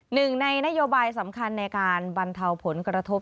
หนึ่งในนโยบายสำคัญในการบรรเทาผลกระทบ